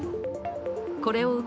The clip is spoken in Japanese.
これを受け